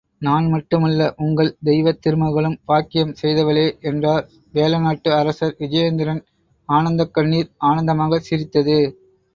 நான் மட்டுமல்ல, உங்கள் தெய்வத் திருமகளும் பாக்கியம் செய்தவளே! என்றார், வேழநாட்டு அரசர் விஜயேந்திரன் ஆனந்தக்கண்ணிர் ஆனந்தமாகச் சிரித்தது!